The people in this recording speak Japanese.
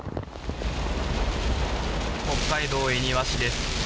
北海道恵庭市です。